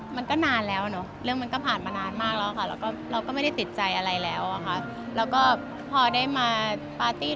วันนั้นเป็นยังไงบ้างบรรยากาศยังไง